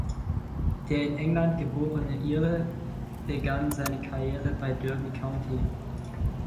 Der in England geborene Ire begann seine Karriere bei Derby County.